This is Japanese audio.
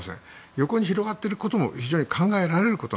横に広がっていることも非常に考えられること。